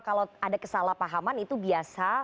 kalau ada kesalahpahaman itu biasa